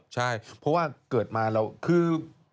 ใช่เพราะว่าเกิดมาเราคือ